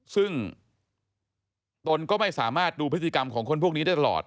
ซึ่งตนก็ไม่สามารถดูพฤติกรรมของคนพวกนี้ได้ตลอด